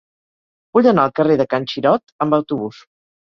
Vull anar al carrer de Can Xirot amb autobús.